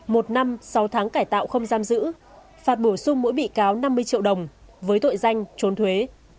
một năm sáu tháng cải tạo không giam giữ phạt bổ sung mỗi bị cáo năm mươi triệu đồng với tội danh trốn thuế